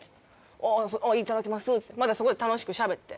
「あぁいただきます」ってまたそこで楽しくしゃべって。